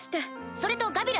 それとガビル。